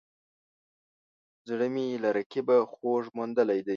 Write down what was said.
زړه مې له رقیبه خوږ موندلی دی